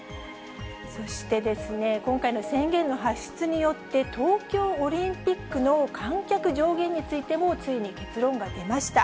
そしてですね、今回の宣言の発出によって、東京オリンピックの観客上限についても、ついに結論が出ました。